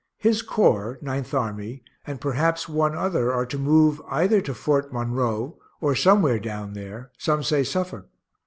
His corps (Ninth Army) and perhaps one other are to move either to Fort Monroe, or somewhere down there some say Suffolk.